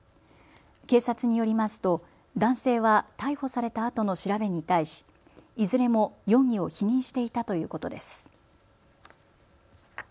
警察によりますと男性は逮捕されたあとの調べに対しいずれも容疑を否認していたということです。